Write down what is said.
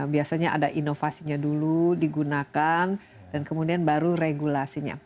biasanya ada inovasinya dulu digunakan dan kemudian baru regulasinya